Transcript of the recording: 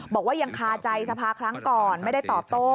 บอกว่ายังคาใจสภาครั้งก่อนไม่ได้ตอบโต้